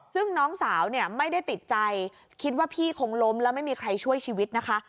ซึ่งน้องสาวเนี่ยไม่ได้ติดใจคิดว่าพี่คงล้มแล้วไม่มีใครช่วยชีวิตนะคะ